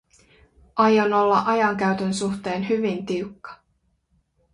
Aion olla ajankäytön suhteen hyvin tiukka.